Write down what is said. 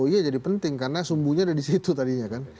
oh iya jadi penting karena sumbunya ada di situ tadinya kan